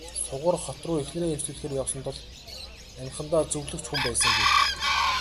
Сугар хот руу эхнэрээ эмчлүүлэхээр явсан тул амьхандаа зөвлөх ч хүн байсангүй.